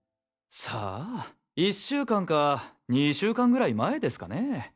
さあ１週間か２週間ぐらい前ですかねぇ。